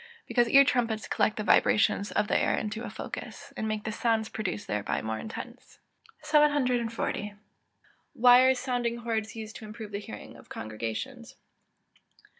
_ Because ear trumpets collect the vibrations of the air into a focus, and make the sounds produced thereby more intense. 740. _Why are sounding hoards used to improve the hearing of congregations?